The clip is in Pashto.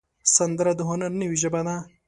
سندره د هنر نوې ژبه ده